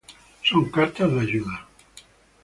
Son cartas de ayuda.